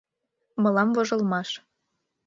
Мылам вожылмаш.